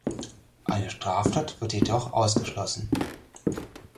Eine Straftat wird jedoch ausgeschlossen.